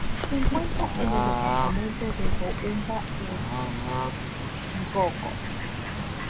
Se encuentra en el departamento de Boumba-et-Ngoko.